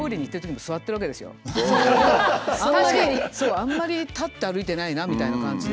あんまり立って歩いてないなあみたいな感じで。